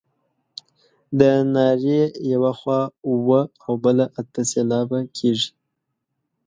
د نارې یوه خوا اووه او بله اته سېلابه کیږي.